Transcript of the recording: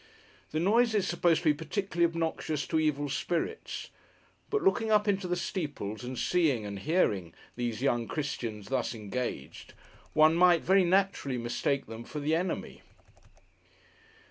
The noise is supposed to be particularly obnoxious to Evil Spirits; but looking up into the steeples, and seeing (and hearing) these young Christians thus engaged, one might very naturally mistake them for the Enemy.